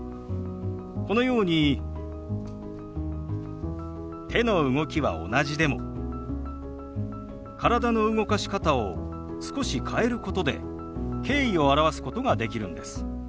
このように手の動きは同じでも体の動かし方を少し変えることで敬意を表すことができるんです。